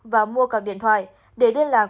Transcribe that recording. và mua cặp điện thoại để liên lạc